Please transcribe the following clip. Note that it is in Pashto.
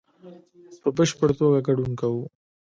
په بشپړ توګه ګډون کوو